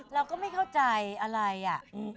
เราก็ไม่เข้าใจอะไรอ่ะ